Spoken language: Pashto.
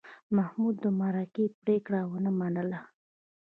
محمود د مرکې پرېکړه ونه منله.